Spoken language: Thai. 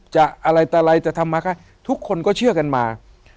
อะไรแต่ไรจะทำมาก็ทุกคนก็เชื่อกันมา